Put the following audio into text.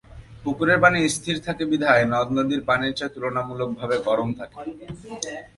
পুকুরের পানি স্থির থাকে বিধায় নদ-নদীর পানির চেয়ে তুলনামূলকভাবে গরম থাকে।